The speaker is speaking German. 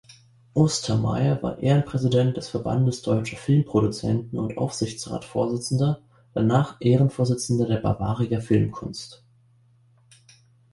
Ostermayr war Ehrenpräsident des Verbandes deutscher Filmproduzenten und Aufsichtsratsvorsitzender, danach Ehrenvorsitzender der Bavaria-Filmkunst.